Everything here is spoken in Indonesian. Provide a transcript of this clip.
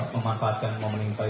memanfaatkan momen ini